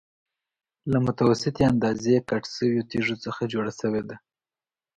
له متوسطې اندازې کټ شویو تېږو څخه جوړه شوې ده.